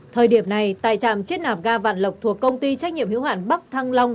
thời điểm này tại trạm chiết nạp ga vạn lộc thuộc công ty trách nhiệm hữu hạn bắc thăng long